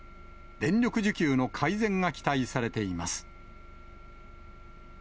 電力需給の改善が期待されています。